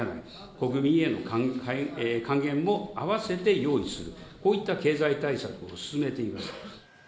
国民への還元もあわせて用意する、こういった経済対策を進めています。